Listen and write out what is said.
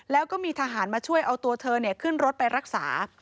แล้วก็มีทหารมาช่วยเอาตัวเธอขึ้นรถไปรักษา